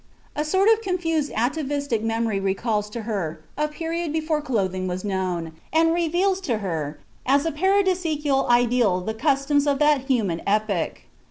A sort of confused atavistic memory recalls to her a period before clothing was known, and reveals to her as a paradisaical ideal the customs of that human epoch."